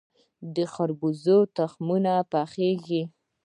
د خربوزې تخمونه پخیږي.